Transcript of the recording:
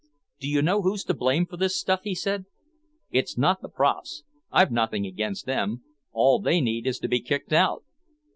"Do you know who's to blame for this stuff?" he said. "It's not the profs, I've nothing against them, all they need is to be kicked out.